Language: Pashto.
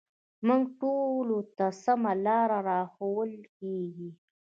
موږ ټولو ته سمه لاره راښوول کېږي